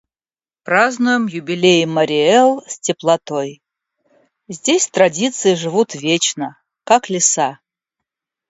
Празднуем юбилей Марий Эл с теплотой. Здесь традиции живут вечно, как леса!